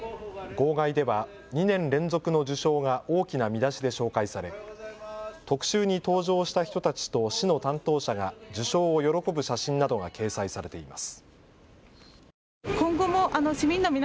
号外では２年連続の受賞が大きな見出しで紹介され特集に登場した人たちと市の担当者が受賞を喜ぶ写真などが掲載されています。